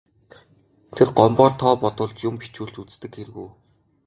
Тэр Гомбоор тоо бодуулж, юм бичүүлж үздэг хэрэг үү.